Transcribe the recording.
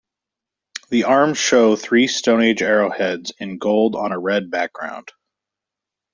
The arms show three Stone Age arrowheads in gold on a red background.